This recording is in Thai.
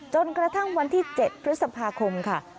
จนกระทั่งวันที่๗พฤษภาคมค่ะ